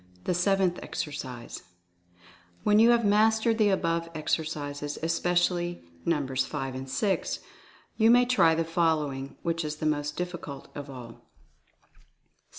THE SEVENTH EXERCISE. When you have mastered the above exercises, espe cially Nos. 5 and 6, you may try the following, which is the most difficult of all : 7.